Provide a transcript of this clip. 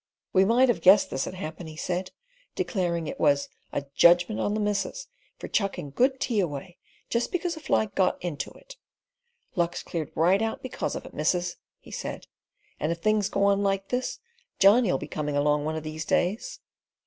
"We might have guessed this 'ud happen," he said, declaring it was a "judgment on the missus" for chucking good tea away just because a fly got into it. "Luck's cleared right out because of it, missus," he said; "and if things go on like this Johnny'll be coming along one of these days."